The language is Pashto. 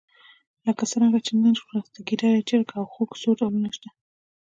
لکه څرنګه چې نن ورځ د ګېدړې، چرګ او خوګ څو ډولونه شته.